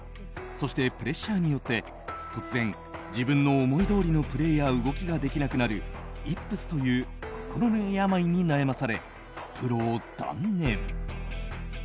そして、プレッシャーによって突然、自分の思いどおりのプレーや動きができなくなるイップスという心の病に悩まされプロを断念。